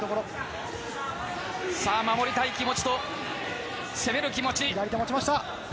守りたい気持ちと攻める気持ち。